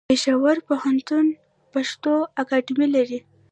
پېښور پوهنتون پښتو اکاډمي لري.